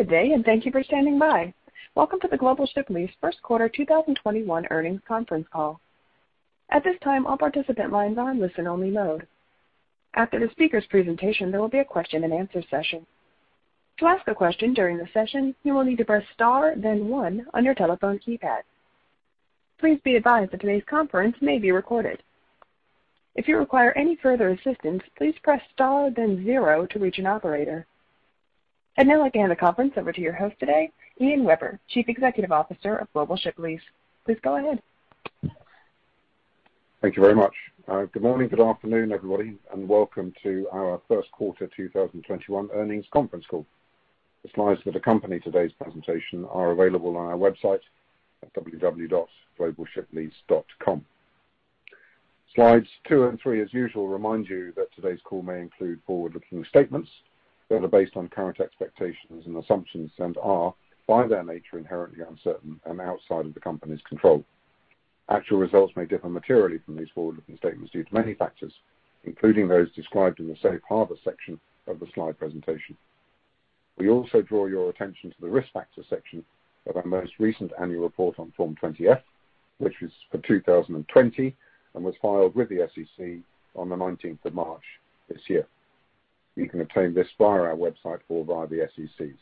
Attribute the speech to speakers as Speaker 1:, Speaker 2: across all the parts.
Speaker 1: Good day. Thank you for standing by. Welcome to the Global Ship Lease First Quarter 2021 Earnings Conference Call. At this time, all participant lines are in listen-only mode. After the speaker's presentation, there will be a question-and-answer session. To ask a question during the session, you will need to press star then one on your telephone keypad. Please be advised that today's conference may be recorded. If you require any further assistance, please press star then zero to reach an operator. I'd now like to hand the conference over to your host today, Ian Webber, Chief Executive Officer of Global Ship Lease. Please go ahead.
Speaker 2: Thank you very much. Good morning, good afternoon, everybody, and welcome to our first quarter 2021 earnings conference call. The slides that accompany today's presentation are available on our website at www.globalshiplease.com. Slides two and three as usual remind you that today's call may include forward-looking statements that are based on current expectations and assumptions and are, by their nature, inherently uncertain and outside of the company's control. Actual results may differ materially from these forward-looking statements due to many factors, including those described in the safe harbor section of the slide presentation. We also draw your attention to the risk factor section of our most recent annual report on Form 20-F, which is for 2020 and was filed with the SEC on the 19th of March this year. You can obtain this via our website or via the SEC's.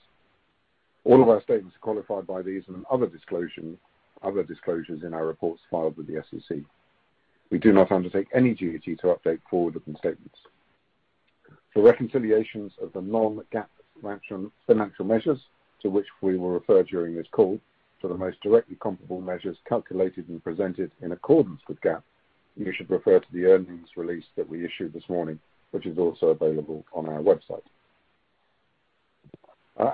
Speaker 2: All of our statements are qualified by these and other disclosures in our reports filed with the SEC. We do not undertake any duty to update forward-looking statements. For reconciliations of the non-GAAP financial measures to which we will refer during this call to the most directly comparable measures calculated and presented in accordance with GAAP, you should refer to the earnings release that we issued this morning, which is also available on our website.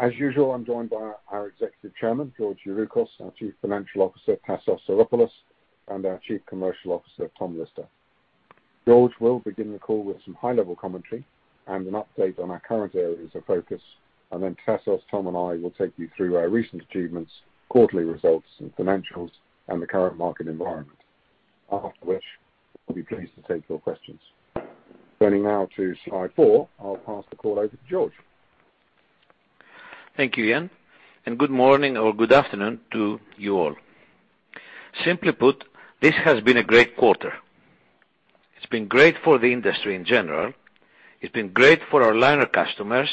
Speaker 2: As usual, I'm joined by our Executive Chairman, George Youroukos, our Chief Financial Officer, Tassos Psaropoulos, and our Chief Commercial Officer, Tom Lister. George will begin the call with some high-level commentary and an update on our current areas of focus, and then Tassos, Tom, and I will take you through our recent achievements, quarterly results and financials, and the current market environment. After which, we'll be pleased to take your questions. Turning now to slide four, I'll pass the call over to George.
Speaker 3: Thank you, Ian. Good morning or good afternoon to you all. Simply put, this has been a great quarter. It's been great for the industry in general, it's been great for our liner customers,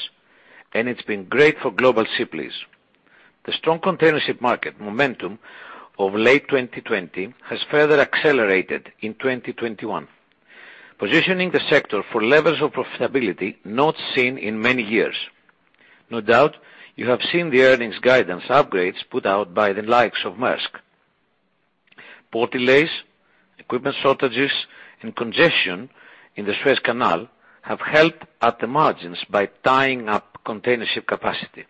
Speaker 3: and it's been great for Global Ship Lease. The strong container ship market momentum of late 2020 has further accelerated in 2021, positioning the sector for levels of profitability not seen in many years. No doubt, you have seen the earnings guidance upgrades put out by the likes of Maersk. Port delays, equipment shortages, and congestion in the Suez Canal have helped at the margins by tying up container ship capacity.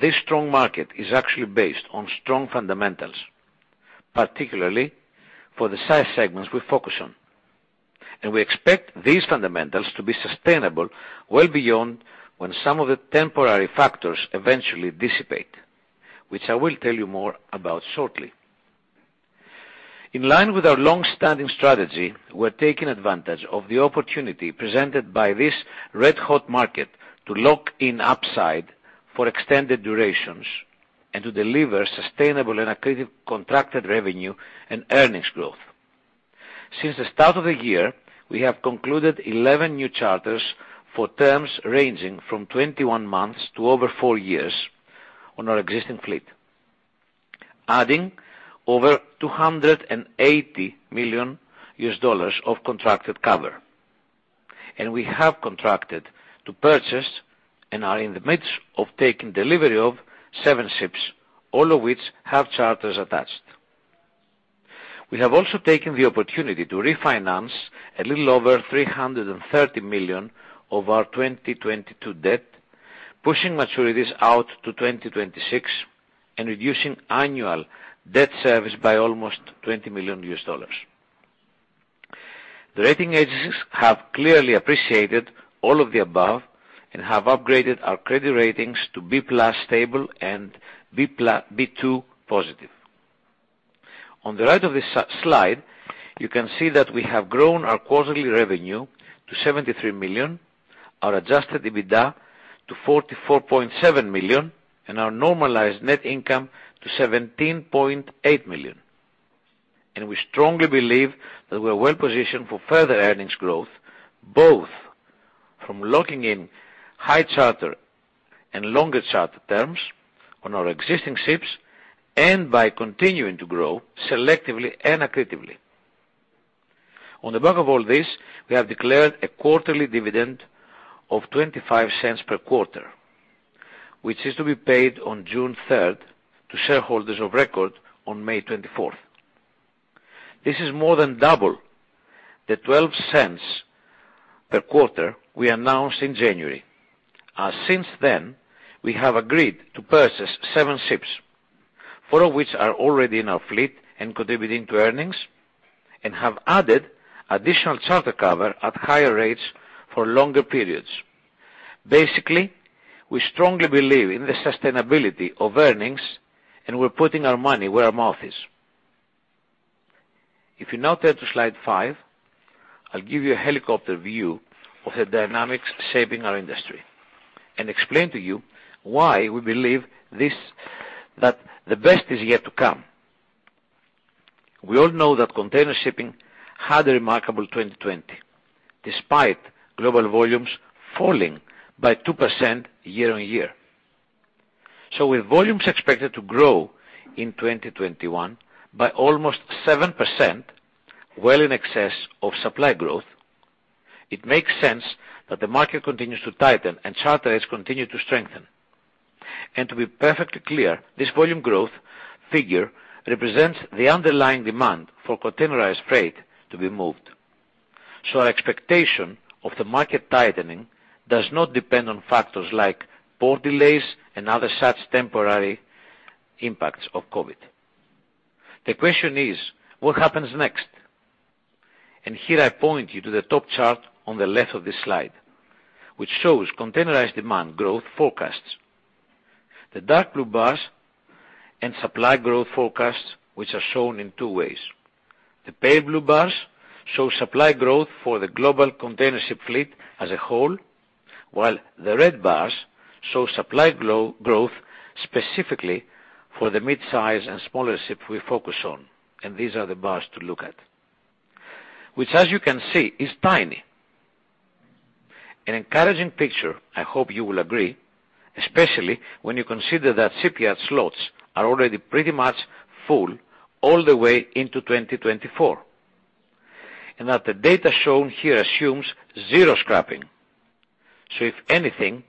Speaker 3: This strong market is actually based on strong fundamentals, particularly for the size segments we focus on. We expect these fundamentals to be sustainable well beyond when some of the temporary factors eventually dissipate, which I will tell you more about shortly. In line with our long-standing strategy, we're taking advantage of the opportunity presented by this red-hot market to lock in upside for extended durations and to deliver sustainable and accretive contracted revenue and earnings growth. Since the start of the year, we have concluded 11 new charters for terms ranging from 21 months to over four years on our existing fleet, adding over $280 million of contracted cover. We have contracted to purchase and are in the midst of taking delivery of seven ships, all of which have charters attached. We have also taken the opportunity to refinance a little over $330 million of our 2022 debt, pushing maturities out to 2026 and reducing annual debt service by almost $20 million. The rating agencies have clearly appreciated all of the above and have upgraded our credit ratings to B+ stable and B2 positive. On the right of this slide, you can see that we have grown our quarterly revenue to $73 million, our adjusted EBITDA to $44.7 million, and our normalized net income to $17.8 million. We strongly believe that we are well-positioned for further earnings growth, both from locking in high charter and longer charter terms on our existing ships and by continuing to grow selectively and accretively. On the back of all this, we have declared a quarterly dividend of $0.25 per quarter, which is to be paid on June 3rd to shareholders of record on May 24th. This is more than double the $0.12 per quarter we announced in January. Since then, we have agreed to purchase seven ships, four of which are already in our fleet and contributing to earnings, and have added additional charter cover at higher rates for longer periods. Basically, we strongly believe in the sustainability of earnings, and we're putting our money where our mouth is. If you now turn to slide five, I'll give you a helicopter view of the dynamics shaping our industry and explain to you why we believe that the best is yet to come. We all know that container shipping had a remarkable 2020, despite global volumes falling by 2% year-on-year. With volumes expected to grow in 2021 by almost 7%, well in excess of supply growth, it makes sense that the market continues to tighten and charter rates continue to strengthen. To be perfectly clear, this volume growth figure represents the underlying demand for containerized freight to be moved. Our expectation of the market tightening does not depend on factors like port delays and other such temporary impacts of COVID. The question is, what happens next? Here I point you to the top chart on the left of this slide, which shows containerized demand growth forecasts. The dark blue bars and supply growth forecasts, which are shown in two ways. The pale blue bars show supply growth for the global container ship fleet as a whole, while the red bars show supply growth specifically for the mid-size and smaller ship we focus on, and these are the bars to look at, which, as you can see, is tiny. An encouraging picture, I hope you will agree, especially when you consider that shipyard slots are already pretty much full all the way into 2024, and that the data shown here assumes zero scrapping. If anything,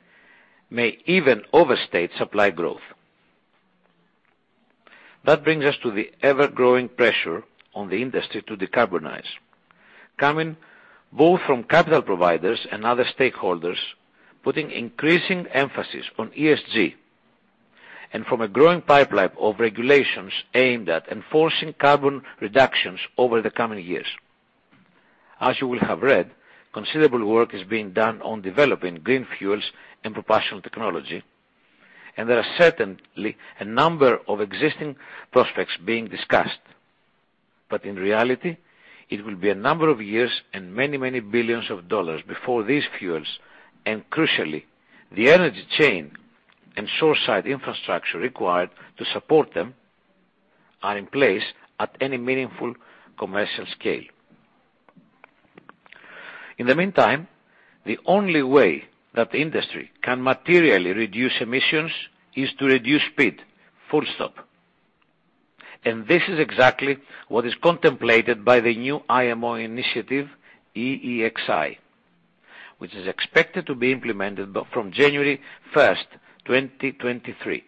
Speaker 3: may even overstate supply growth. That brings us to the ever-growing pressure on the industry to decarbonize, coming both from capital providers and other stakeholders, putting increasing emphasis on ESG, and from a growing pipeline of regulations aimed at enforcing carbon reductions over the coming years. As you will have read, considerable work is being done on developing green fuels and propulsional technology, and there are certainly a number of existing prospects being discussed. In reality, it will be a number of years and many, many billions of dollars before these fuels, and crucially, the energy chain and shoreside infrastructure required to support them, are in place at any meaningful commercial scale. In the meantime, the only way that the industry can materially reduce emissions is to reduce speed, full stop. This is exactly what is contemplated by the new IMO initiative, EEXI, which is expected to be implemented from January 1st, 2023.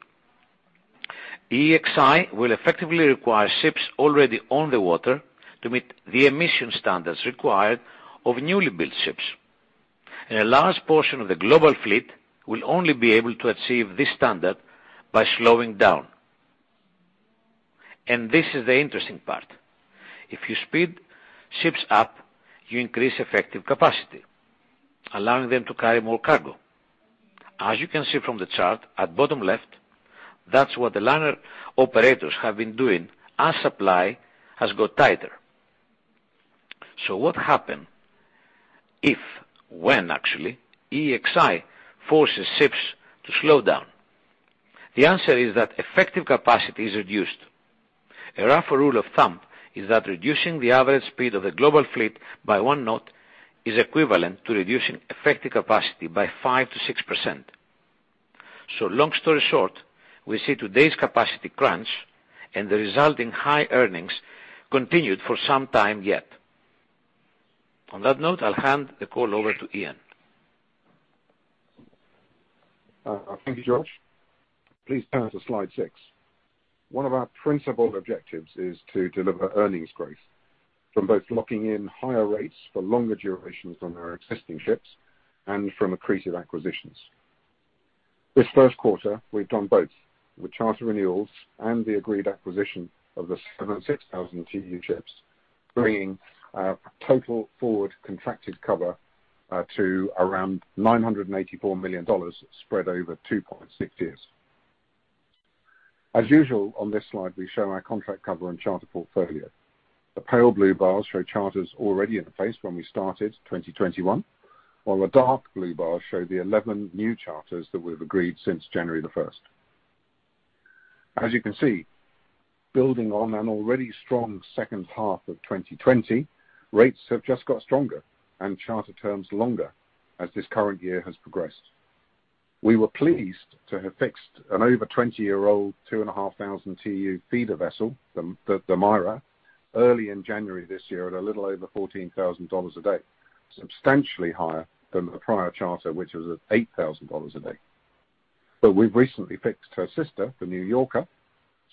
Speaker 3: EEXI will effectively require ships already on the water to meet the emission standards required of newly built ships. A large portion of the global fleet will only be able to achieve this standard by slowing down. This is the interesting part. If you speed ships up, you increase effective capacity, allowing them to carry more cargo. As you can see from the chart at bottom left, that's what the liner operators have been doing as supply has got tighter. What happen if, when actually, EEXI forces ships to slow down? The answer is that effective capacity is reduced. A rough rule of thumb is that reducing the average speed of the global fleet by one knot is equivalent to reducing effective capacity by 5%-6%. Long story short, we see today's capacity crunch and the resulting high earnings continued for some time yet. On that note, I'll hand the call over to Ian.
Speaker 2: Thank you, George. Please turn to slide six. One of our principal objectives is to deliver earnings growth from both locking in higher rates for longer durations on our existing ships and from accretive acquisitions. This first quarter, we've done both with charter renewals and the agreed acquisition of the 6,000 TEU ships, bringing our total forward contracted cover to around $984 million spread over 2.6 years. As usual, on this slide, we show our contract cover and charter portfolio. The pale blue bars show charters already in place when we started 2021, while the dark blue bars show the 11 new charters that we've agreed since January 1st. As you can see, building on an already strong second half of 2020, rates have just got stronger and charter terms longer as this current year has progressed. We were pleased to have fixed an over 20-year-old, 2,500 TEU feeder vessel, the Maria, early in January this year at a little over $14,000 a day, substantially higher than the prior charter, which was at $8,000 a day. We've recently fixed her sister, the NEWYORKER,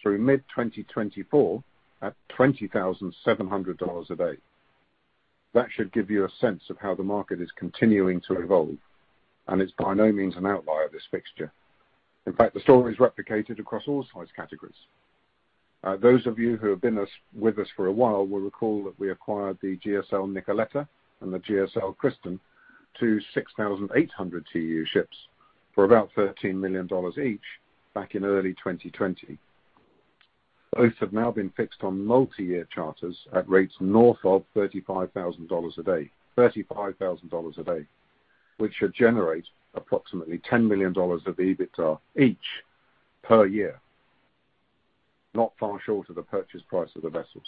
Speaker 2: through mid-2024 at $20,700 a day. That should give you a sense of how the market is continuing to evolve, and it's by no means an outlier, this fixture. In fact, the story is replicated across all size categories. Those of you who have been with us for a while will recall that we acquired the GSL Nicoletta and the GSL Christen, two 6,800 TEU ships for about $13 million each back in early 2020. Both have now been fixed on multi-year charters at rates north of $35,000 a day. $35,000 a day, which should generate approximately $10 million of EBITDA each per year, not far short of the purchase price of the vessels.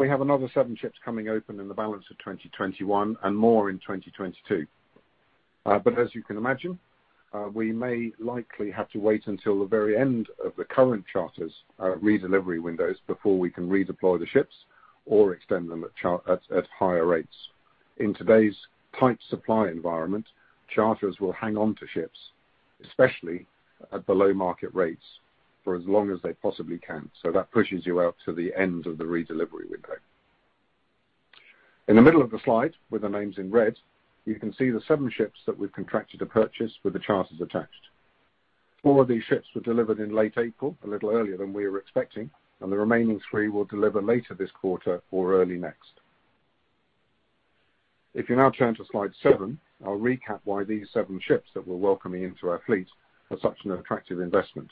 Speaker 2: We have another seven ships coming open in the balance of 2021, and more in 2022. As you can imagine, we may likely have to wait until the very end of the current charters, re-delivery windows, before we can redeploy the ships or extend them at higher rates. In today's tight supply environment, charters will hang on to ships, especially at below-market rates, for as long as they possibly can. That pushes you out to the end of the re-delivery window. In the middle of the slide, with the names in red, you can see the seven ships that we've contracted to purchase with the charters attached. Four of these ships were delivered in late April, a little earlier than we were expecting. The remaining three will deliver later this quarter or early next. If you now turn to slide seven, I'll recap why these seven ships that we're welcoming into our fleet are such an attractive investment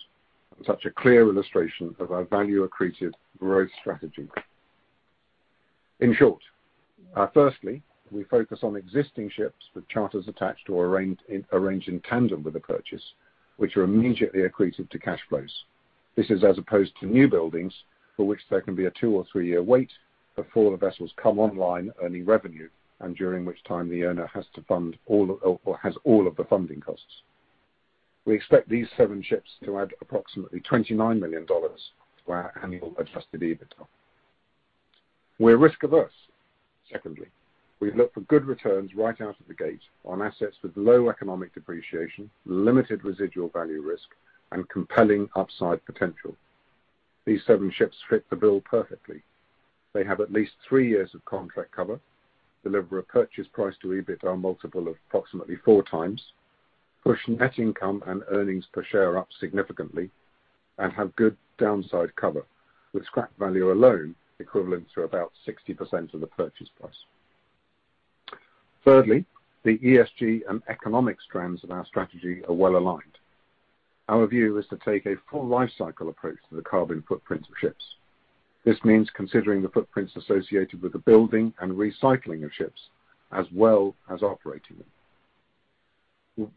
Speaker 2: and such a clear illustration of our value-accretive growth strategy. In short, firstly, we focus on existing ships with charters attached or arranged in tandem with the purchase, which are immediately accretive to cash flows. This is as opposed to new buildings, for which there can be a two- or three-year wait before the vessels come online earning revenue, and during which time the owner has to fund all, or has all of the funding costs. We expect these seven ships to add approximately $29 million to our annual adjusted EBITDA. We're risk-averse. Secondly, we look for good returns right out of the gate on assets with low economic depreciation, limited residual value risk, and compelling upside potential. These seven ships fit the bill perfectly. They have at least three years of contract cover, deliver a purchase price to EBITDA multiple of approximately 4x, push net income and earnings per share up significantly, and have good downside cover, with scrap value alone equivalent to about 60% of the purchase price. Thirdly, the ESG and economic strands of our strategy are well-aligned. Our view is to take a full lifecycle approach to the carbon footprint of ships. This means considering the footprints associated with the building and recycling of ships, as well as operating them.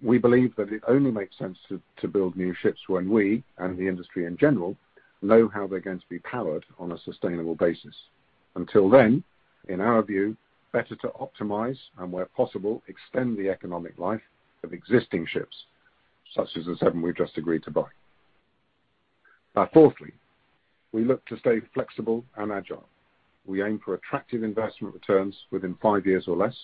Speaker 2: We believe that it only makes sense to build new ships when we, and the industry in general, know how they're going to be powered on a sustainable basis. Until then, in our view, better to optimize and, where possible, extend the economic life of existing ships, such as the seven we've just agreed to buy. Fourthly, we look to stay flexible and agile. We aim for attractive investment returns within five years or less,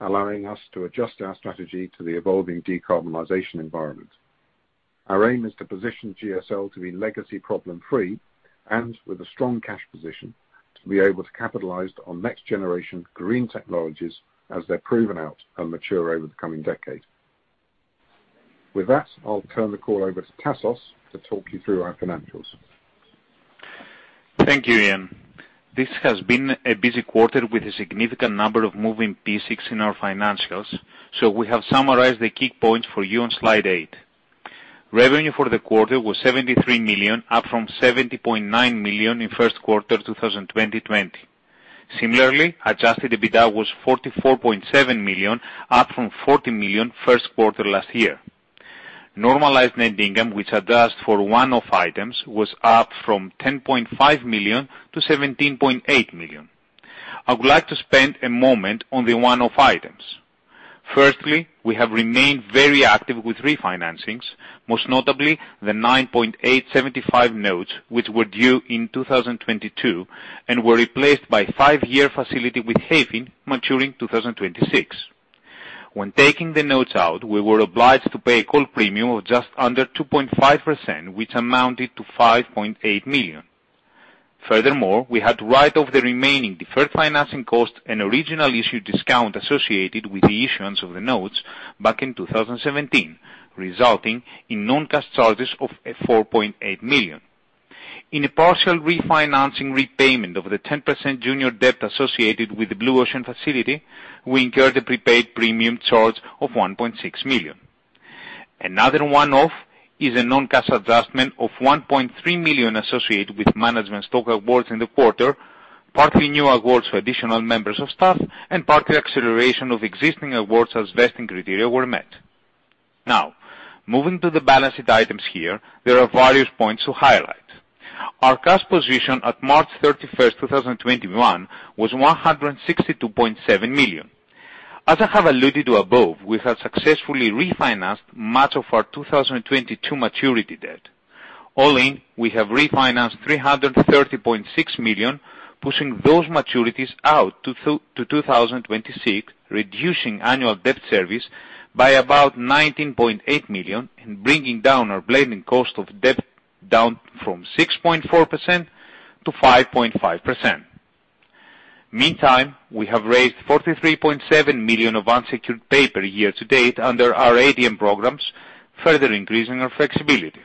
Speaker 2: allowing us to adjust our strategy to the evolving decarbonization environment. Our aim is to position GSL to be legacy problem-free and with a strong cash position to be able to capitalize on next-generation green technologies as they're proven out and mature over the coming decade. With that, I'll turn the call over to Tassos to talk you through our financials.
Speaker 4: Thank you, Ian. This has been a busy quarter with a significant number of moving pieces in our financials. We have summarized the key points for you on slide eight. Revenue for the quarter was $73 million, up from $70.9 million in first quarter 2020. Similarly, adjusted EBITDA was $44.7 million, up from $40 million first quarter last year. Normalized net income, which adjusts for one-off items, was up from $10.5 million to $17.8 million. I would like to spend a moment on the one-off items. Firstly, we have remained very active with refinancings, most notably the 9.875 notes, which were due in 2022 and were replaced by a five-year facility with Hayfin, maturing 2026. When taking the notes out, we were obliged to pay a call premium of just under 2.5%, which amounted to $5.8 million. Furthermore, we had to write off the remaining deferred financing cost and original issue discount associated with the issuance of the notes back in 2017, resulting in non-cash charges of $4.8 million. In a partial refinancing repayment of the 10% junior debt associated with the Blue Ocean facility, we incurred a prepaid premium charge of $1.6 million. Another one-off is a non-cash adjustment of $1.3 million associated with management stock awards in the quarter, partly new awards for additional members of staff, and partly acceleration of existing awards as vesting criteria were met. Now, moving to the balance sheet items here, there are various points to highlight. Our cash position at March 31st, 2021, was $162.7 million. As I have alluded to above, we have successfully refinanced much of our 2022 maturity debt. All in, we have refinanced $330.6 million, pushing those maturities out to 2026, reducing annual debt service by about $19.8 million and bringing down our blended cost of debt down from 6.4% to 5.5%. Meantime, we have raised $43.7 million of unsecured paper year to date under our ATM programs, further increasing our flexibility.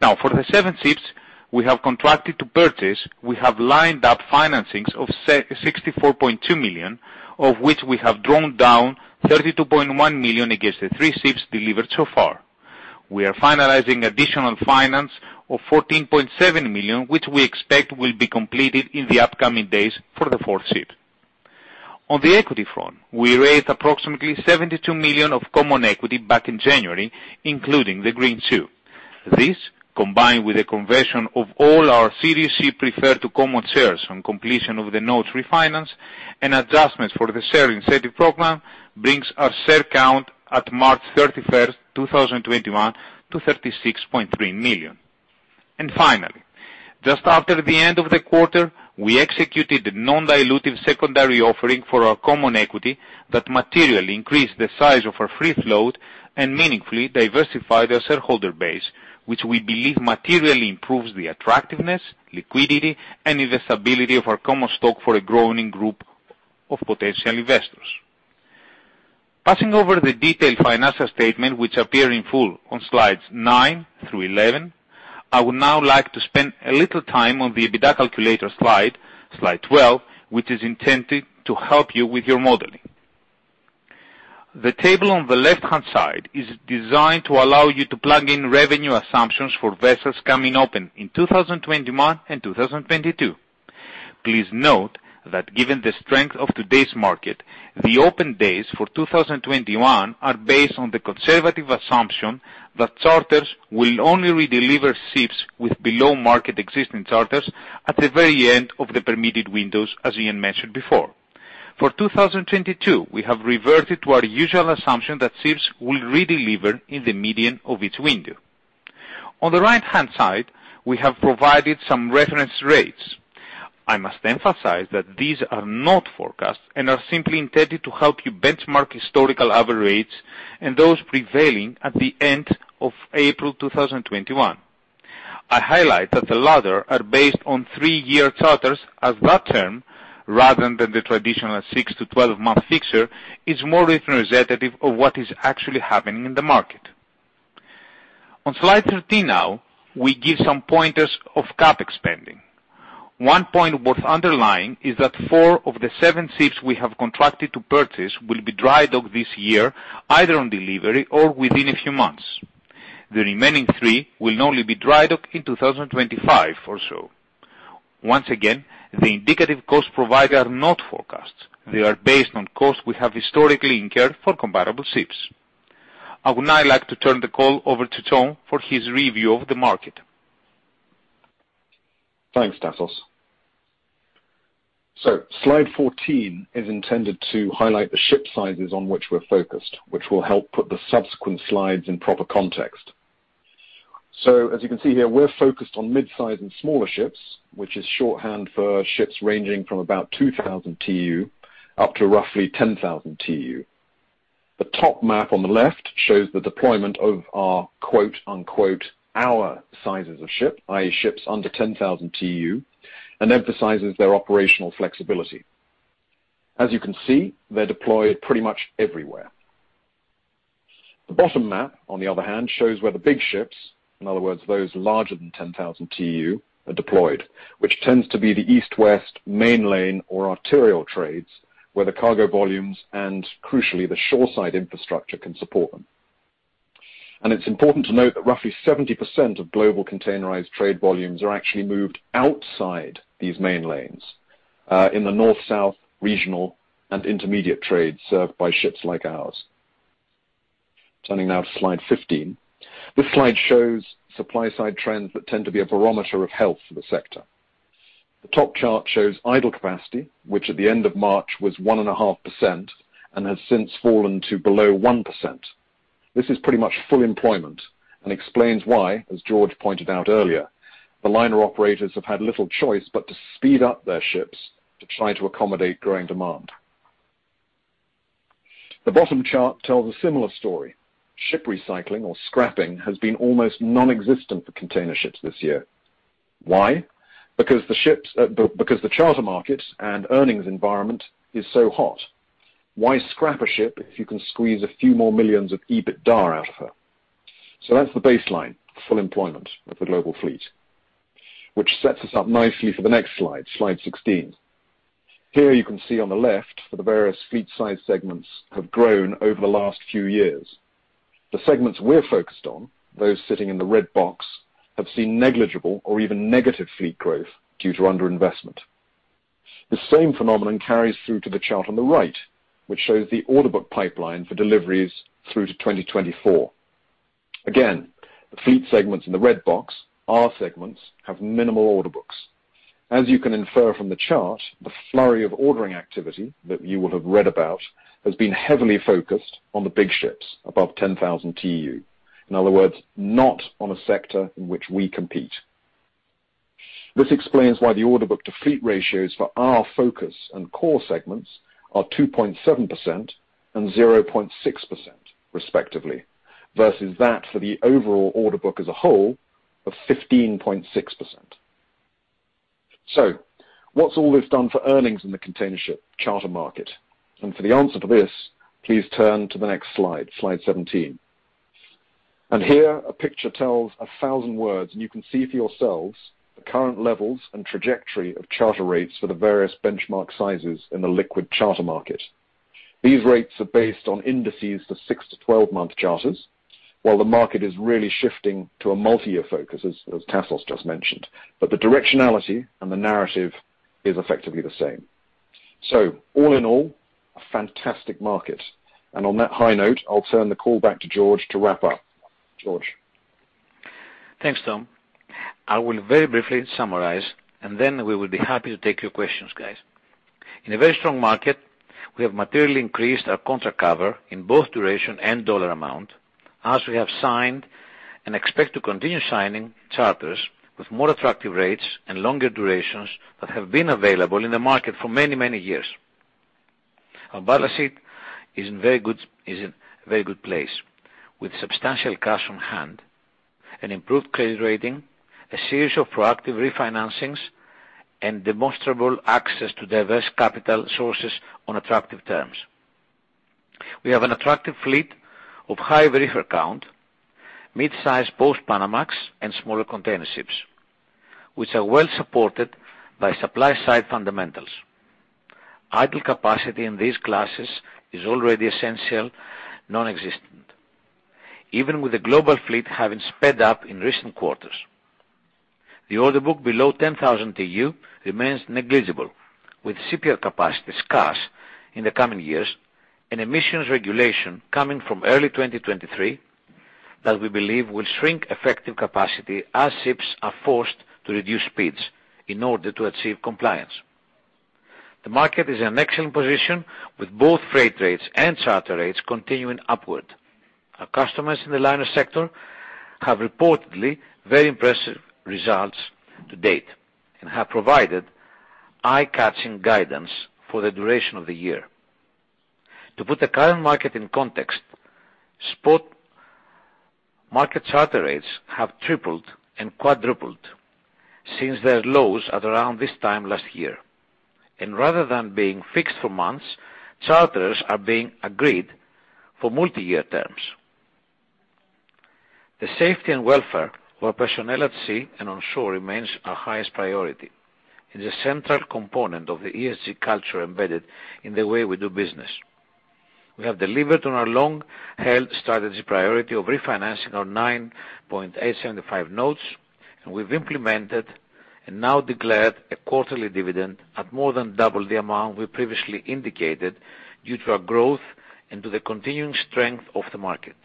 Speaker 4: Now, for the seven ships we have contracted to purchase, we have lined up financings of $64.2 million, of which we have drawn down $32.1 million against the three ships delivered so far. We are finalizing additional finance of $14.7 million, which we expect will be completed in the upcoming days for the fourth ship. On the equity front, we raised approximately $72 million of common equity back in January, including the greenshoe. This, combined with a conversion of all our Series C preferred to common shares on completion of the notes refinance, and adjustments for the share incentive program, brings our share count at March 31st, 2021, to 36.3 million. Finally, just after the end of the quarter, we executed a non-dilutive secondary offering for our common equity that materially increased the size of our free float and meaningfully diversified our shareholder base, which we believe materially improves the attractiveness, liquidity, and investability of our common stock for a growing group of potential investors. Passing over the detailed financial statement, which appear in full on slides nine through 11, I would now like to spend a little time on the EBITDA calculator slide 12, which is intended to help you with your modeling. The table on the left-hand side is designed to allow you to plug in revenue assumptions for vessels coming open in 2021 and 2022. Please note that given the strength of today's market, the open days for 2021 are based on the conservative assumption that charters will only redeliver ships with below-market existing charters at the very end of the permitted windows, as Ian mentioned before. For 2022, we have reverted to our usual assumption that ships will redeliver in the median of each window. On the right-hand side, we have provided some reference rates. I must emphasize that these are not forecasts and are simply intended to help you benchmark historical average rates and those prevailing at the end of April 2021. I highlight that the latter are based on three-year charters as that term, rather than the traditional six to 12-month fixture, is more representative of what is actually happening in the market. On slide 13 now, we give some pointers of CapEx spending. One point worth underlying is that four of the seven ships we have contracted to purchase will be dry docked this year, either on delivery or within a few months. The remaining three will only be dry-docked in 2025 or so. Once again, the indicative costs provided are not forecasts. They are based on costs we have historically incurred for comparable ships. I would now like to turn the call over to Tom for his review of the market.
Speaker 5: Thanks, Tassos. Slide 14 is intended to highlight the ship sizes on which we're focused, which will help put the subsequent slides in proper context. As you can see here, we're focused on mid-size and smaller ships, which is shorthand for ships ranging from about 2,000 TEU up to roughly 10,000 TEU. The top map on the left shows the deployment of our quote-unquote, "our sizes of ship," i.e., ships under 10,000 TEU, and emphasizes their operational flexibility. As you can see, they're deployed pretty much everywhere. The bottom map, on the other hand, shows where the big ships, in other words, those larger than 10,000 TEU, are deployed, which tends to be the east-west main lane or arterial trades, where the cargo volumes, and crucially, the shoreside infrastructure can support them. It's important to note that roughly 70% of global containerized trade volumes are actually moved outside these main lanes, in the north-south regional and intermediate trades served by ships like ours. Turning now to slide 15. This slide shows supply-side trends that tend to be a barometer of health for the sector. The top chart shows idle capacity, which at the end of March was 1.5% and has since fallen to below 1%. This is pretty much full employment and explains why, as George pointed out earlier, the liner operators have had little choice but to speed up their ships to try to accommodate growing demand. The bottom chart tells a similar story. Ship recycling or scrapping has been almost nonexistent for container ships this year. Why? Because the charter market and earnings environment is so hot. Why scrap a ship if you can squeeze a few more millions of EBITDA out of her? That's the baseline, full employment of the global fleet, which sets us up nicely for the next slide 16. Here you can see on the left the various fleet size segments have grown over the last few years. The segments we're focused on, those sitting in the red box, have seen negligible or even negative fleet growth due to underinvestment. The same phenomenon carries through to the chart on the right, which shows the order book pipeline for deliveries through to 2024. Again, the fleet segments in the red box, our segments, have minimal order books. As you can infer from the chart, the flurry of ordering activity that you will have read about has been heavily focused on the big ships above 10,000 TEU. In other words, not on a sector in which we compete. This explains why the order book-to-fleet ratios for our focus and core segments are 2.7% and 0.6% respectively, versus that for the overall order book as a whole of 15.6%.
Speaker 2: What's all this done for earnings in the container ship charter market? For the answer to this, please turn to the next slide 17. Here a picture tells 1,000 words, and you can see for yourselves the current levels and trajectory of charter rates for the various benchmark sizes in the liquid charter market. These rates are based on indices for six to 12-month charters, while the market is really shifting to a multi-year focus, as Tassos just mentioned. The directionality and the narrative is effectively the same. All in all, a fantastic market. On that high note, I'll turn the call back to George to wrap up. George?
Speaker 3: Thanks, Tom. I will very briefly summarize, and then we will be happy to take your questions, guys. In a very strong market, we have materially increased our contract cover in both duration and dollar amount, as we have signed and expect to continue signing charters with more attractive rates and longer durations that have been available in the market for many years. Our balance sheet is in very good place, with substantial cash on hand and improved credit rating, a series of proactive refinancings, and demonstrable access to diverse capital sources on attractive terms. We have an attractive fleet of high reefer count, midsize post-Panamax and smaller containerships, which are well supported by supply side fundamentals. Idle capacity in these classes is already essentially non-existent, even with the global fleet having sped up in recent quarters. The order book below 10,000 TEU remains negligible, with CPR capacity scarce in the coming years and emissions regulation coming from early 2023 that we believe will shrink effective capacity as ships are forced to reduce speeds in order to achieve compliance. The market is in an excellent position, with both freight rates and charter rates continuing upward. Our customers in the liner sector have reportedly very impressive results to date and have provided eye-catching guidance for the duration of the year. To put the current market in context, spot market charter rates have tripled and quadrupled since their lows at around this time last year. Rather than being fixed for months, charters are being agreed for multi-year terms. The safety and welfare of our personnel at sea and on shore remains our highest priority. It is a central component of the ESG culture embedded in the way we do business. We have delivered on our long-held strategy priority of refinancing our 9.875 notes, and we've implemented and now declared a quarterly dividend at more than double the amount we previously indicated due to our growth and to the continuing strength of the market.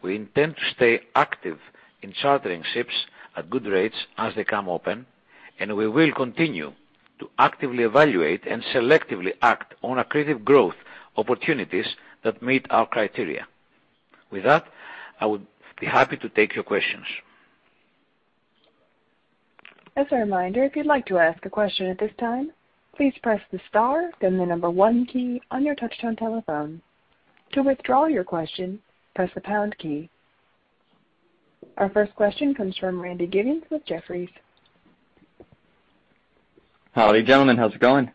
Speaker 3: We intend to stay active in chartering ships at good rates as they come open, and we will continue to actively evaluate and selectively act on accretive growth opportunities that meet our criteria. With that, I would be happy to take your questions.
Speaker 1: Our first question comes from Randy Giveans with Jefferies.
Speaker 6: Howdy, gentlemen. How's it going?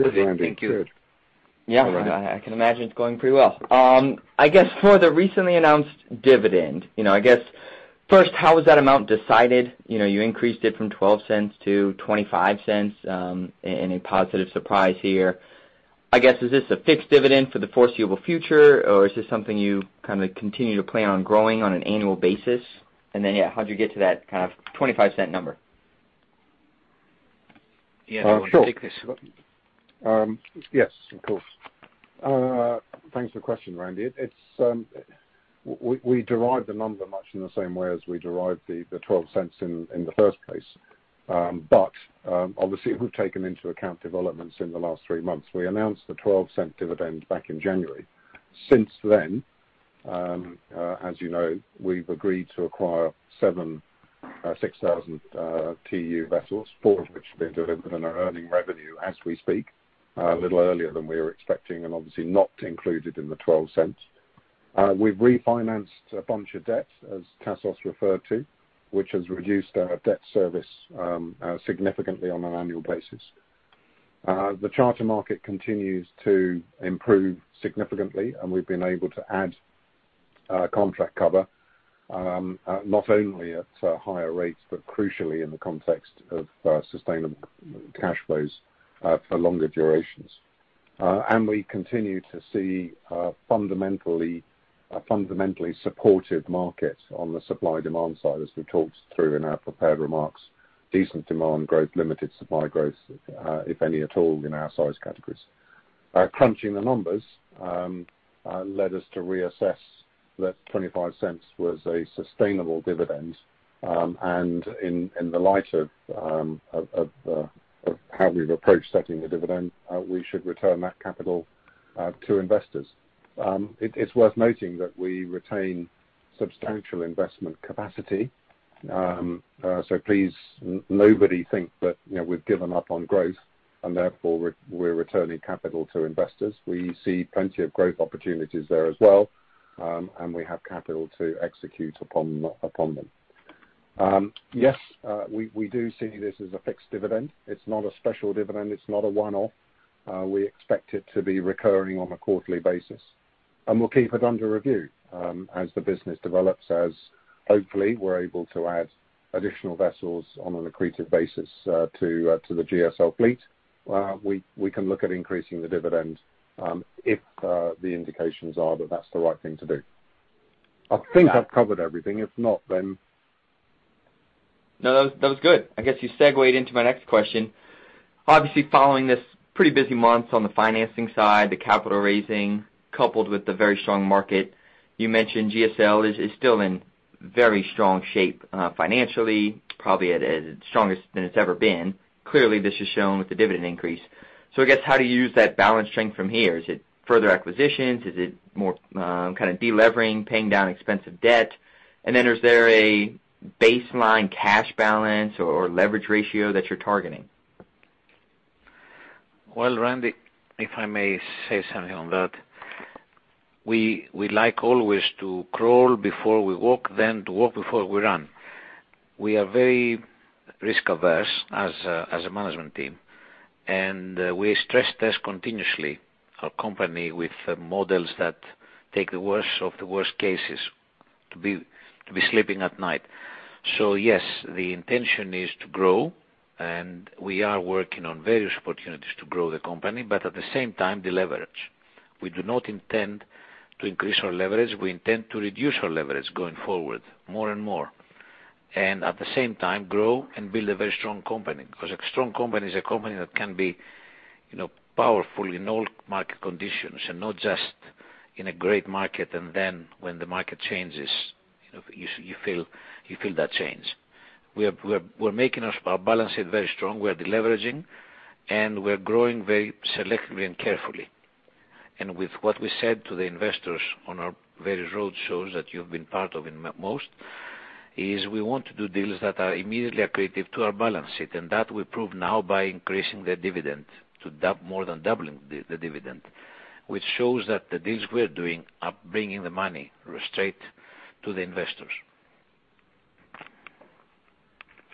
Speaker 2: Good, Randy.
Speaker 3: Thank you.
Speaker 6: Yeah. I can imagine it's going pretty well. I guess for the recently announced dividend, first, how was that amount decided? You increased it from $0.12 to $0.25 in a positive surprise here. I guess, is this a fixed dividend for the foreseeable future, or is this something you continue to plan on growing on an annual basis? Yeah, how'd you get to that kind of $0.25 number?
Speaker 4: Yeah. Do you want to take this?
Speaker 2: Sure. Yes, of course. Thanks for the question, Randy. We derived the number much in the same way as we derived the $0.12 in the first place. Obviously, we've taken into account developments in the last three months. We announced the $0.12 dividend back in January. Since then, as you know, we've agreed to acquire seven 6,000 TEU vessels, four of which have been delivered and are earning revenue as we speak, a little earlier than we were expecting, and obviously not included in the $0.12. We've refinanced a bunch of debt, as Tassos referred to, which has reduced our debt service significantly on an annual basis. The charter market continues to improve significantly, and we've been able to add contract cover, not only at higher rates, but crucially in the context of sustainable cash flows for longer durations. We continue to see a fundamentally supportive market on the supply-demand side, as we talked through in our prepared remarks, decent demand growth, limited supply growth, if any at all, in our size categories. Crunching the numbers led us to reassess that $0.25 was a sustainable dividend. In the light of how we've approached setting the dividend, we should return that capital to investors. It's worth noting that we retain substantial investment capacity. Please, nobody think that we've given up on growth and therefore we're returning capital to investors. We see plenty of growth opportunities there as well. We have capital to execute upon them. Yes, we do see this as a fixed dividend. It's not a special dividend. It's not a one-off. We expect it to be recurring on a quarterly basis. We'll keep it under review as the business develops, as hopefully we're able to add additional vessels on an accretive basis to the GSL fleet. We can look at increasing the dividend if the indications are that that's the right thing to do. I think I've covered everything.
Speaker 6: No, that was good. I guess you segued into my next question. Following this pretty busy month on the financing side, the capital raising, coupled with the very strong market, you mentioned GSL is still in very strong shape financially, probably at its strongest than it's ever been. This is shown with the dividend increase. I guess, how do you use that balance strength from here? Is it further acquisitions? Is it more kind of de-leveraging, paying down expensive debt? Is there a baseline cash balance or leverage ratio that you're targeting?
Speaker 3: Well, Randy, if I may say something on that. We like always to crawl before we walk, then to walk before we run. We are very risk-averse as a management team, and we stress test continuously our company with models that take the worst of the worst cases to be sleeping at night. Yes, the intention is to grow, and we are working on various opportunities to grow the company, but at the same time, deleverage. We do not intend to increase our leverage. We intend to reduce our leverage going forward, more and more. At the same time, grow and build a very strong company, because a strong company is a company that can be powerful in all market conditions and not just in a great market, and then when the market changes, you feel that change. We're making our balance sheet very strong. We are de-leveraging, and we're growing very selectively and carefully. With what we said to the investors on our various road shows that you've been part of in most, is we want to do deals that are immediately accretive to our balance sheet, and that we prove now by increasing the dividend to more than doubling the dividend, which shows that the deals we're doing are bringing the money straight to the investors.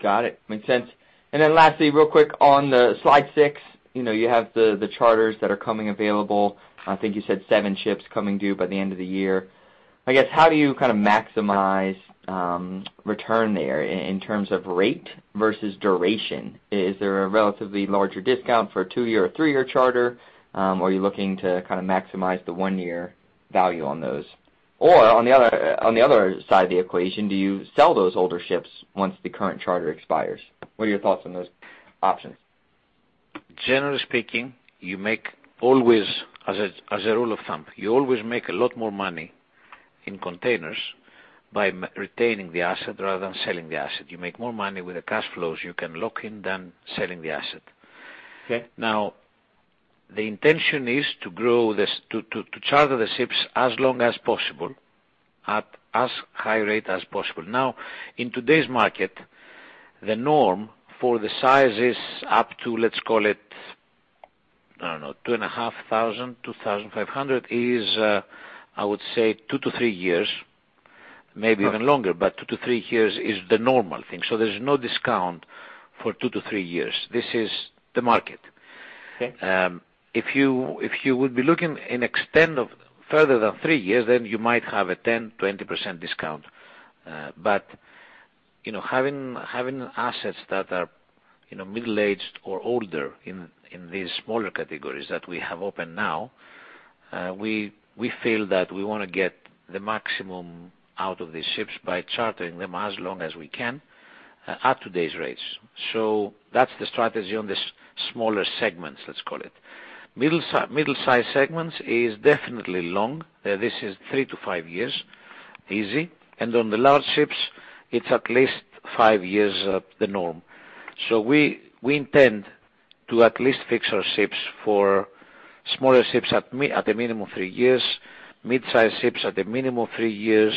Speaker 6: Got it. Makes sense. Lastly, real quick on slide six, you have the charters that are coming available. I think you said seven ships coming due by the end of the year. I guess, how do you maximize return there in terms of rate versus duration? Is there a relatively larger discount for a two-year or three-year charter? Are you looking to maximize the one-year value on those? On the other side of the equation, do you sell those older ships once the current charter expires? What are your thoughts on those options?
Speaker 3: Generally speaking, as a rule of thumb, you always make a lot more money in containers by retaining the asset rather than selling the asset. You make more money with the cash flows you can lock in than selling the asset. The intention is to charter the ships as long as possible at as high rate as possible. In today's market, the norm for the sizes up to, let's call it, I don't know, 2,500 is, I would say two to three years, maybe even longer, but two to three years is the normal thing. There's no discount for two to three years. This is the market. If you would be looking in extent of further than three years, then you might have a 10%, 20% discount. Having assets that are middle-aged or older in these smaller categories that we have open now, we feel that we want to get the maximum out of these ships by chartering them as long as we can at today's rates. That's the strategy on the smaller segments, let's call it. Middle-sized segments is definitely long. This is three to five years, easy. On the large ships, it's at least five years the norm. We intend to at least fix our ships for smaller ships at a minimum of three years, mid-size ships at a minimum of three years,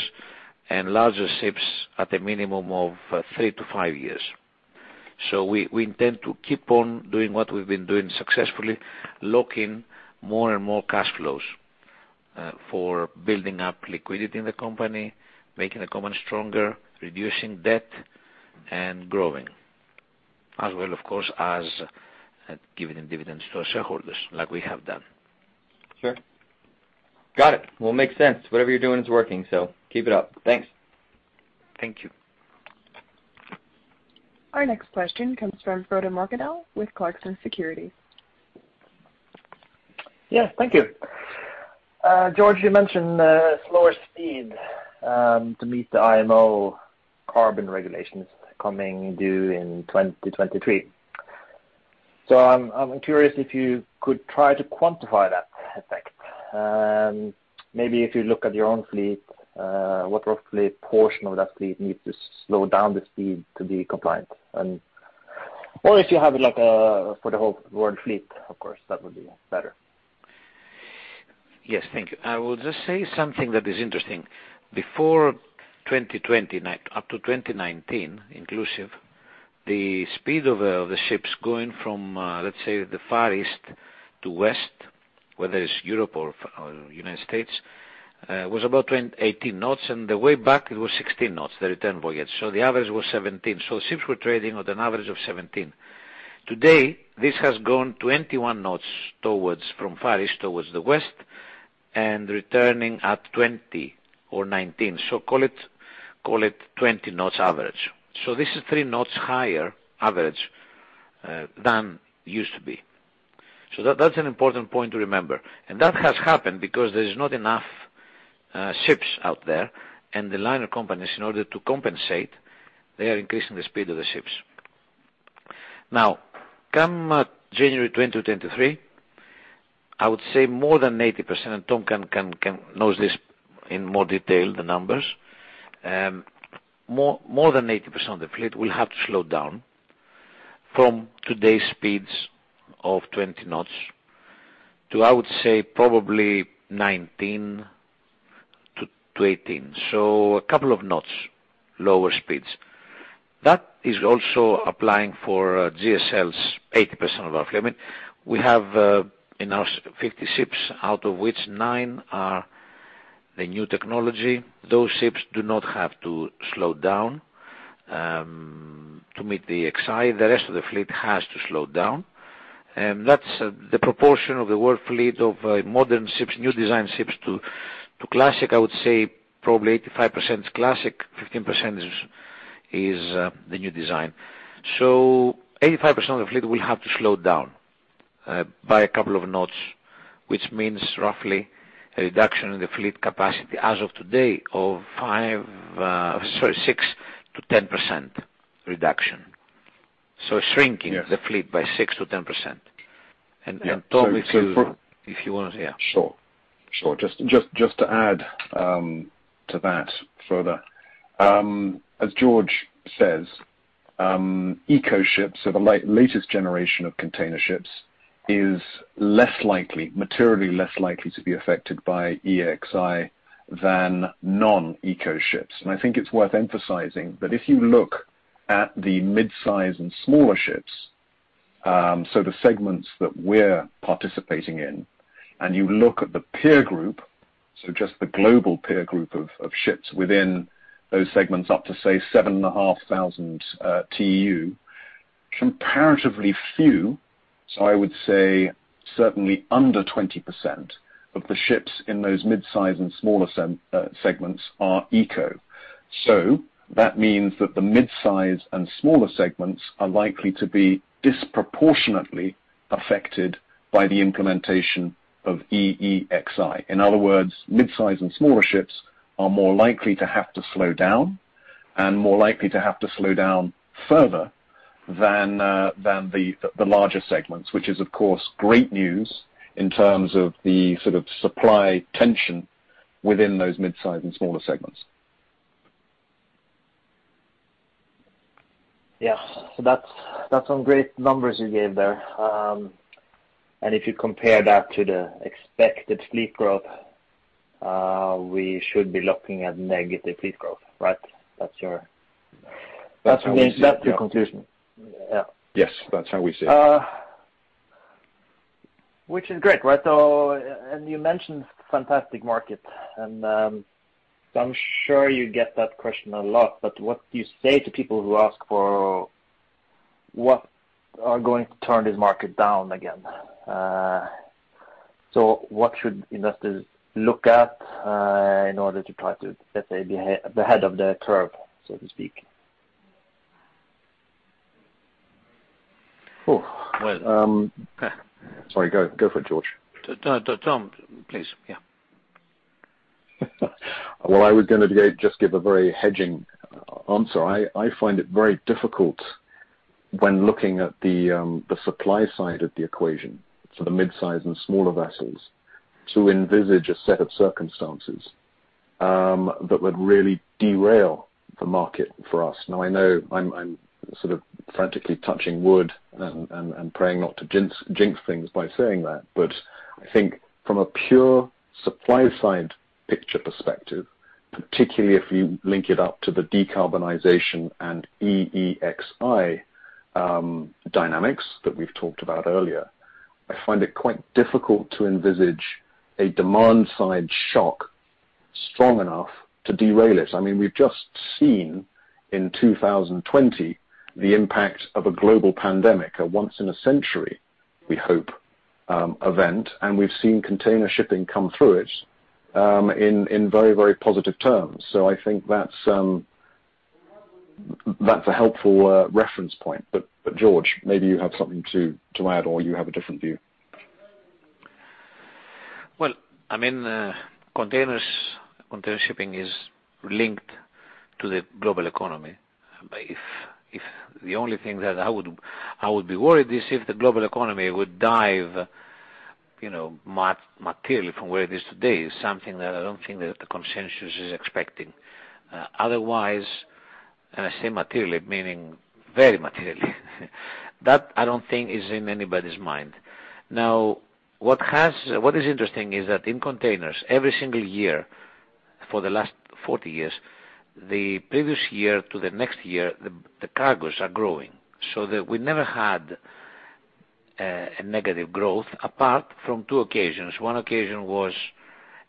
Speaker 3: and larger ships at a minimum of three to five years. We intend to keep on doing what we've been doing successfully, lock in more and more cash flows for building up liquidity in the company, making the company stronger, reducing debt and growing, as well, of course, as giving dividends to our shareholders like we have done.
Speaker 6: Sure. Got it. Well, makes sense. Whatever you're doing is working. Keep it up. Thanks.
Speaker 3: Thank you.
Speaker 1: Our next question comes from Frode Mørkedal with Clarksons Securities.
Speaker 7: Yes. Thank you. George, you mentioned slower speed to meet the IMO carbon regulations coming due in 2023. I'm curious if you could try to quantify that effect. Maybe if you look at your own fleet, what roughly portion of that fleet needs to slow down the speed to be compliant? If you have like for the whole world fleet, of course, that would be better.
Speaker 3: Yes. Thank you. I will just say something that is interesting. Before 2020, up to 2019 inclusive. The speed of the ships going from, let's say, the Far East to West, whether it's Europe or United States, was about 18 knots, and the way back it was 16 knots, the return voyage. The average was 17. Ships were trading at an average of 17. Today, this has gone 21 knots from Far East towards the West, and returning at 20 or 19. Call it 20 knots average. This is three knots higher average than it used to be. That's an important point to remember. That has happened because there's not enough ships out there. The liner companies, in order to compensate, they are increasing the speed of the ships. Come January 2023, I would say more than 80%, and Tom knows this in more detail, the numbers. More than 80% of the fleet will have to slow down from today's speeds of 20 knots to, I would say, probably 19 to 18. A couple of knots lower speeds. That is also applying for GSL's 80% of our fleet. We have 50 ships out of which nine are the new technology. Those ships do not have to slow down to meet the EEXI. The rest of the fleet has to slow down. That's the proportion of the world fleet of modern ships, new design ships to classic, I would say probably 85% is classic, 15% is the new design. 85% of the fleet will have to slow down by a couple of knots, which means roughly a reduction in the fleet capacity as of today of 6%-10% reduction the fleet by six to 10%. Tom, yeah.
Speaker 5: Sure. Just to add to that further. As George says, eco ships or the latest generation of container ships is materially less likely to be affected by EEXI than non-eco ships. I think it's worth emphasizing that if you look at the mid-size and smaller ships, so the segments that we're participating in, and you look at the peer group, so just the global peer group of ships within those segments up to, say, 7,500 TEU. Comparatively few, so I would say certainly under 20% of the ships in those mid-size and smaller segments are eco. That means that the mid-size and smaller segments are likely to be disproportionately affected by the implementation of EEXI. In other words, mid-size and smaller ships are more likely to have to slow down and more likely to have to slow down further than the larger segments, which is, of course, great news in terms of the supply tension within those mid-size and smaller segments.
Speaker 7: Yeah. That's some great numbers you gave there. If you compare that to the expected fleet growth, we should be looking at negative fleet growth, right? That's your conclusion. Yeah.
Speaker 5: Yes. That's how we see it.
Speaker 7: Which is great. You mentioned fantastic market, and so I'm sure you get that question a lot, but what do you say to people who ask for what are going to turn this market down again? What should investors look at in order to try to, let's say, be ahead of the curve, so to speak?
Speaker 5: Sorry. Go for it, George.
Speaker 3: Tom, please. Yeah.
Speaker 5: Well, I was going to just give a very hedging answer. I find it very difficult when looking at the supply side of the equation for the mid-size and smaller vessels to envisage a set of circumstances that would really derail the market for us. Now, I know I'm frantically touching wood and praying not to jinx things by saying that, but I think from a pure supply side picture perspective, particularly if you link it up to the decarbonization and EEXI dynamics that we've talked about earlier, I find it quite difficult to envisage a demand side shock strong enough to derail it. We've just seen in 2020 the impact of a global pandemic, a once in a century, we hope, event, and we've seen container shipping come through it in very positive terms. I think that's a helpful reference point. George, maybe you have something to add, or you have a different view.
Speaker 3: Well, container shipping is linked to the global economy. The only thing that I would be worried is if the global economy would dive materially from where it is today, is something that I don't think that the consensus is expecting. Otherwise, I say materially, meaning very materially. That I don't think is in anybody's mind. Now, what is interesting is that in containers, every single year for the last 40 years, the previous year to the next year, the cargoes are growing so that we never had a negative growth apart from two occasions. One occasion was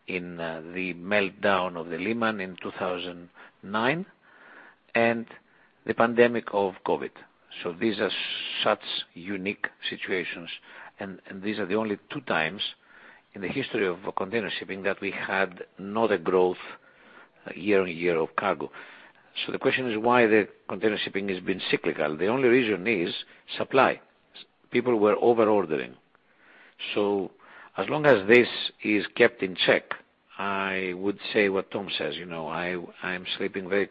Speaker 3: in the meltdown of the Lehman in 2009 and the pandemic of COVID. These are such unique situations, and these are the only 2x in the history of container shipping that we had not a growth year-on-year of cargo. The question is why the container shipping has been cyclical. The only reason is supply. People were over-ordering. As long as this is kept in check, I would say what Tom says. I am sleeping very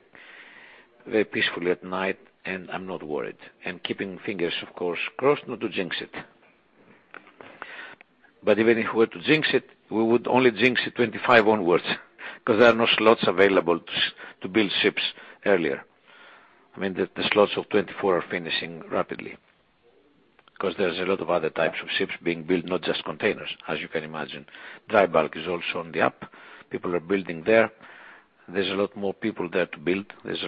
Speaker 3: peacefully at night, and I'm not worried, and keeping fingers, of course, crossed not to jinx it. Even if we were to jinx it, we would only jinx it 2025 onwards because there are no slots available to build ships earlier. The slots of 2024 are finishing rapidly. There's a lot of other types of ships being built, not just containers, as you can imagine. Dry bulk is also on the up. People are building there. There's a lot more people there to build. It's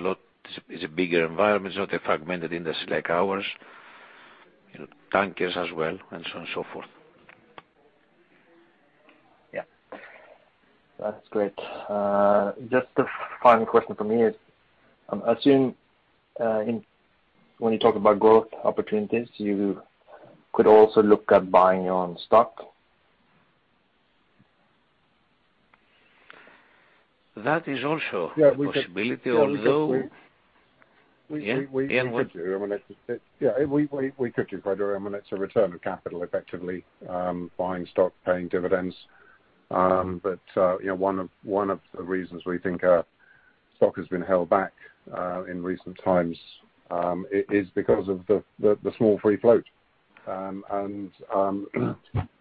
Speaker 3: a bigger environment. It's not a fragmented industry like ours. Tankers as well, and so on and so forth.
Speaker 7: Yeah. That's great. Just a final question from me is, I assume when you talk about growth opportunities, you could also look at buying your own stock?
Speaker 3: That is also a possibility, although.
Speaker 2: We could, Frode. It's a return of capital, effectively, buying stock, paying dividends. One of the reasons we think our stock has been held back in recent times is because of the small free float.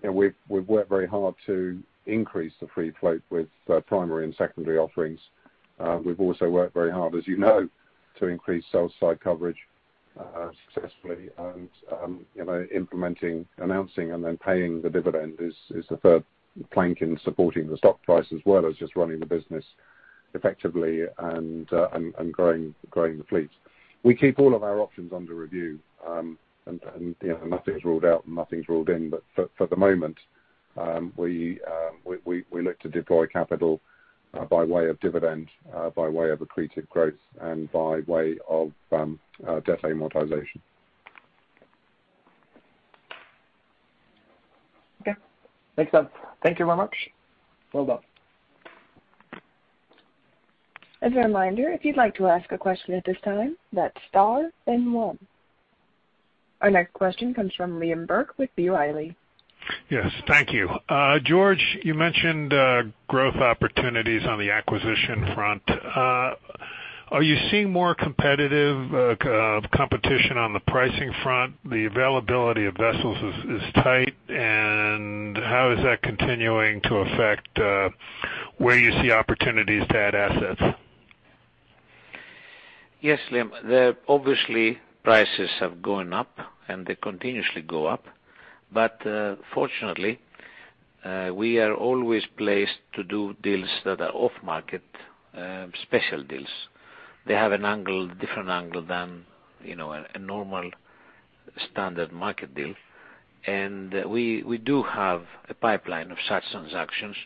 Speaker 2: We've worked very hard to increase the free float with primary and secondary offerings. We've also worked very hard, as you know, to increase sell side coverage successfully. Implementing, announcing, and then paying the dividend is the third plank in supporting the stock price as well as just running the business effectively and growing the fleet. We keep all of our options under review, and nothing's ruled out and nothing's ruled in. For the moment, we look to deploy capital by way of dividend, by way of accretive growth, and by way of debt amortization.
Speaker 7: Okay. Makes sense. Thank you very much. Well done.
Speaker 1: As a reminder, if you'd like to ask a question at this time, that's star then one. Our next question comes from Liam Burke with B. Riley.
Speaker 8: Yes. Thank you. George, you mentioned growth opportunities on the acquisition front. Are you seeing more competition on the pricing front? The availability of vessels is tight, and how is that continuing to affect where you see opportunities to add assets?
Speaker 3: Yes, Liam. Obviously, prices have gone up, and they continuously go up. Fortunately, we are always placed to do deals that are off-market, special deals. They have a different angle than a normal standard market deal. We do have a pipeline of such transactions,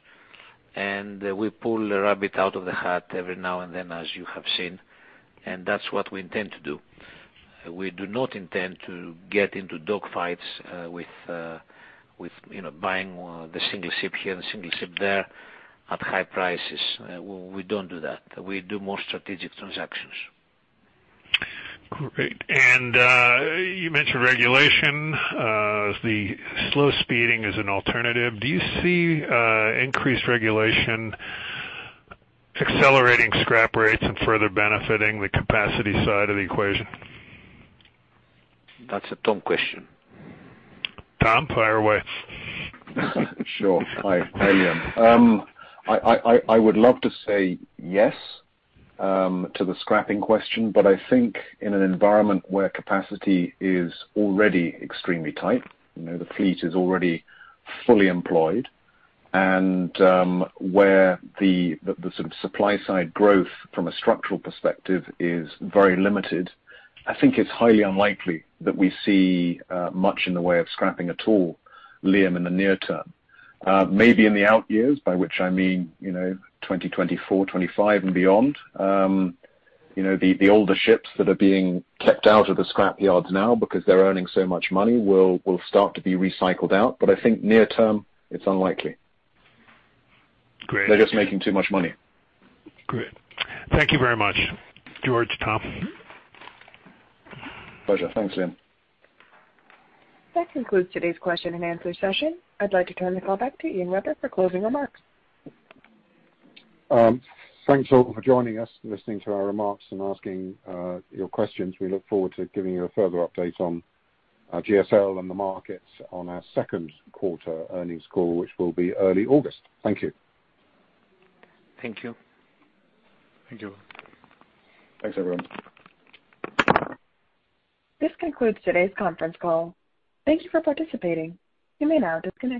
Speaker 3: and we pull a rabbit out of the hat every now and then, as you have seen, and that's what we intend to do. We do not intend to get into dog fights with buying the single ship here and the single ship there at high prices. We don't do that. We do more strategic transactions.
Speaker 8: Great. You mentioned regulation, the slow speeding as an alternative. Do you see increased regulation accelerating scrap rates and further benefiting the capacity side of the equation?
Speaker 3: That's a Tom question.
Speaker 8: Tom, fire away.
Speaker 5: Sure. Hi, Liam. I would love to say yes to the scrapping question, I think in an environment where capacity is already extremely tight, the fleet is already fully employed, and where the supply side growth from a structural perspective is very limited, I think it's highly unlikely that we see much in the way of scrapping at all, Liam, in the near term. Maybe in the out years, by which I mean 2024, 2025, and beyond. The older ships that are being kept out of the scrap yards now because they're earning so much money will start to be recycled out. I think near term, it's unlikely.
Speaker 8: Great.
Speaker 2: They're just making too much money.
Speaker 8: Great. Thank you very much, George, Tom.
Speaker 2: Pleasure. Thanks, Liam.
Speaker 1: That concludes today's question-and-answer session. I'd like to turn the call back to Ian Webber for closing remarks.
Speaker 2: Thanks all for joining us, listening to our remarks, and asking your questions. We look forward to giving you a further update on GSL and the markets on our Second Quarter Earnings Call, which will be early August. Thank you.
Speaker 3: Thank you.
Speaker 5: Thank you.
Speaker 2: Thanks, everyone.
Speaker 1: This concludes today's conference call. Thank you for participating. You may now disconnect.